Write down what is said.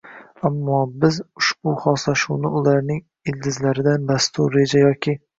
Ammo biz ushbu xoslashuvni ularning ildizlaridan dastur, reja yoki